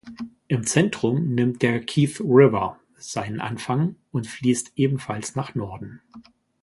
Im Zentrum nimmt der Keith River seinen Anfang und fließt ebenfalls nach Norden.